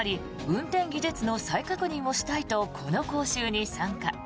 運転技術の再確認をしたいとこの講習に参加。